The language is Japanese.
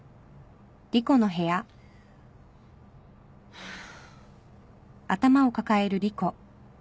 ハァ。